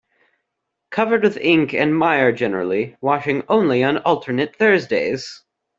Covered with ink and mire generally, washing only on alternate Thursdays.